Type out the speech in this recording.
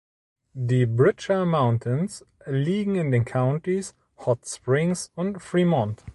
Die Bridger Mountains liegen in den Countys Hot Springs und Fremont.